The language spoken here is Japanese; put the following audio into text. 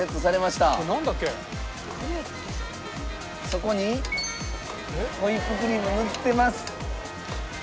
そこにホイップクリームを塗ってます。